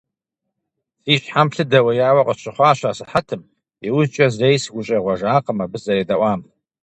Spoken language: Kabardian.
Си щхьэм лъы дэуеяуэ къысщыхъуащ асыхьэтым, иужькӀэ зэи сыхущӀегъуэжакъым абы сызэредэӀуам.